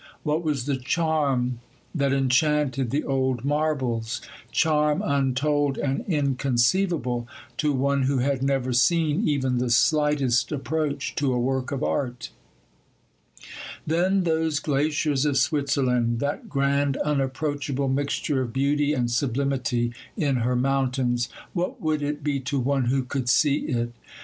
What was the charm that enchanted the old marbles—charm untold and inconceivable to one who had never seen even the slightest approach to a work of art? Then those glaciers of Switzerland, that grand, unapproachable mixture of beauty and sublimity in her mountains!—what would it be to one who could see it?